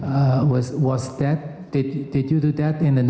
apakah itu juga diketahui